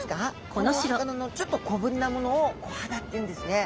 このお魚のちょっと小ぶりなものをコハダっていうんですね。